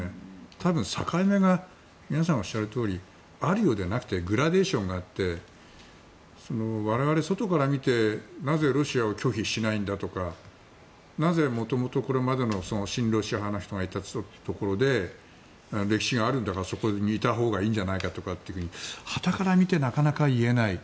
多分、境目が皆さんおっしゃるようにあるようでなくてグラデーションがあって我々、外から見てなぜロシアを拒否しないんだとかなぜ、もともとこれまでの親ロシア派の人がいたところで歴史があるんだからそこにいたほうがいいんじゃないかとか端から見て、なかなか言えない。